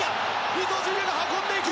伊東純也が運んでいく！